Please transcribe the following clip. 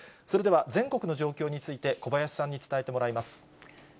それでは、全国の状況について、小林さんに伝えてもらいます。